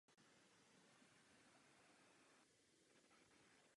Byl zřejmě zasvěcen Panně Marii.